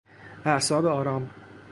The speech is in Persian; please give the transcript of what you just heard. اعصاب آرام